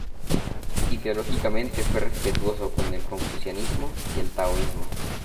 Ideológicamente fue respetuoso con el confucianismo y el taoísmo.